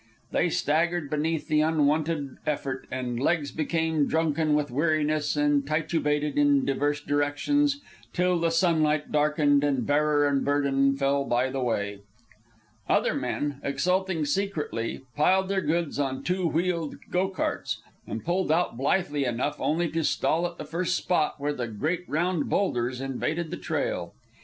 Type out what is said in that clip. They staggered beneath the unwonted effort, and legs became drunken with weariness and titubated in divers directions till the sunlight darkened and bearer and burden fell by the way. Other men, exulting secretly, piled their goods on two wheeled go carts and pulled out blithely enough, only to stall at the first spot where the great round boulders invaded the trail.